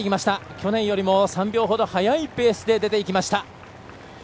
去年よりも３秒ほど速いペースで出ていきました。